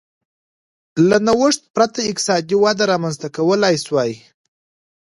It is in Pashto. له نوښت پرته اقتصادي وده رامنځته کولای شوای